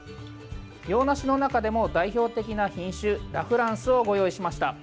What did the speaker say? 洋梨の中でも代表的な品種ラ・フランスをご用意しました。